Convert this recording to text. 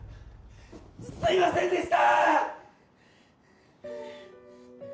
すいませんでした！